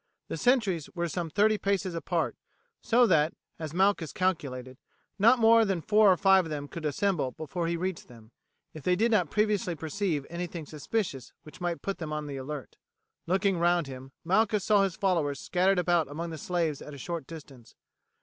The sentries were some thirty paces apart, so that, as Malchus calculated, not more than four or five of them could assemble before he reached them, if they did not previously perceive anything suspicious which might put them on the alert. Looking round him Malchus saw his followers scattered about among the slaves at a short distance.